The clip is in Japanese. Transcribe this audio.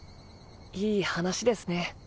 いい話ですね。